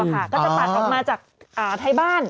ก็จะตัดออกมาจากท้ายบ้าน